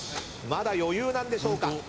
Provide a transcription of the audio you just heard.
まだ余裕なんでしょうか？